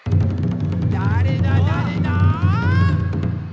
だれだだれだ？